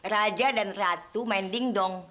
raja dan ratu mending dong